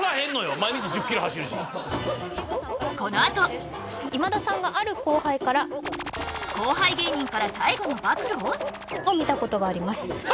毎日１０キロ走るしこのあと今田さんがある後輩から後輩芸人から最後の暴露！？を見たことがあります